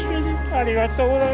ありがとうございます。